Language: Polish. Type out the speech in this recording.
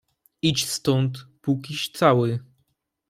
"Idź stąd, pókiś cały!"